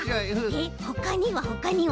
えっほかにはほかには？